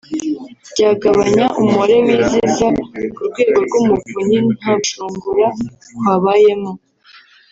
byagabanya umubare w’iziza ku rwego rw’umuvunyi nta gushungura kwabayemo